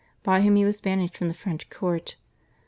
by whom he was banished from the French court.